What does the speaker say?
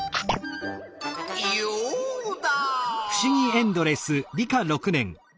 ヨウダ！